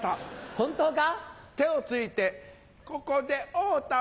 本当か？